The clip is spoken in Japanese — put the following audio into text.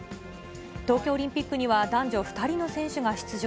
東京オリンピックには男女２人の選手が出場。